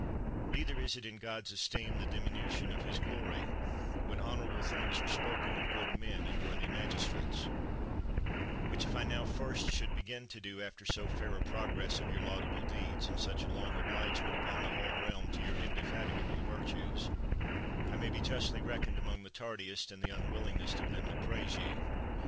Neither is it in God's esteem the diminution of His glory, when honorable things are spoken of good men and worthy magistrates ; 80 MILTON which if I now first should begin to do, after so fair a progress of your laudable deeds, and such a long obligement upon the whole realm to your indefatigable virtues, I might be justly reckoned among the tardiest, and the unwillingest of them that praise ye.